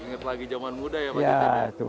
ingat lagi zaman muda ya pak jokowi